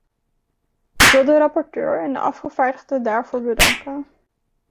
Ik wil de rapporteur en de afgevaardigden daarvoor bedanken.